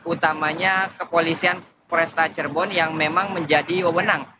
utamanya kepolisian foresta cerbon yang memang menjadi wenang